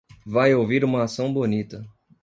Vai ouvir uma ação bonita.